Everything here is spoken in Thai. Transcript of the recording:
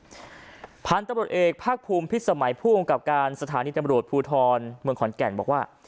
พันธุ์ตำรวจเอกภาคภูมิพิษสมัยผู้กำกับการสถานีตำรวจภูทรเมืองขอนแก่นบอกว่า